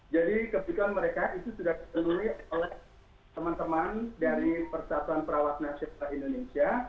jadi kebutuhan mereka itu sudah dipenuhi oleh teman teman dari persatuan perawat nasional indonesia